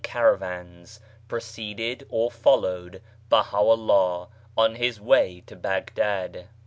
52 BAHAISM preceded or followed Baha'u'llah on his way to Baghdad.